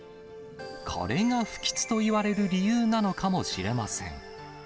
これが不吉といわれる理由なのかもしれません。